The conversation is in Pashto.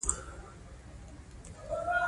د بولان پټي د افغانستان د صنعت لپاره مواد برابروي.